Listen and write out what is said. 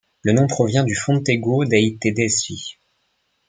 Le nom provient du Fontego dei Tedeschi.